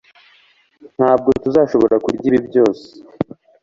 ntabwo tuzashobora kurya ibi byose